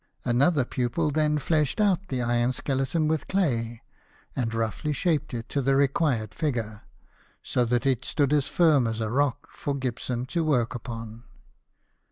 Another pupil then fleshed out the iron skeleton with clay, and roughly shaped it to the required figure, so that it stood as firm as a rock for Gibson to work 74 BIOGRAPHIES OF WORKING MEN. upon.